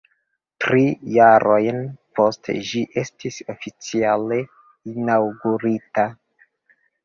Tri jarojn poste ĝi estis oficiale inaŭgurita.